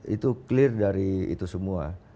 itu clear dari itu semua